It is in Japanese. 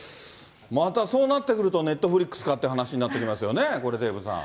またそうなってくると、ネットフリックスかって話になってきますよね、これ、デーブさん。